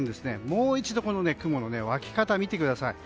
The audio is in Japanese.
もう一度雲の湧き方を見てください。